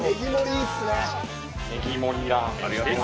ねぎ盛りラーメンです。